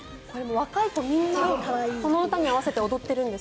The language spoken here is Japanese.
若い子みんなこの歌に合わせて踊っているんです。